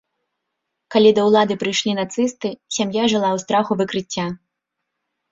Калі да ўлады прыйшлі нацысты, сям'я жыла ў страху выкрыцця.